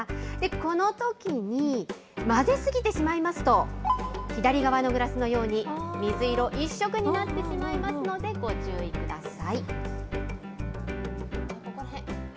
このときに混ぜすぎてしまいますと、左側のグラスのように、水色一色になってしまいますので、ご注意ください。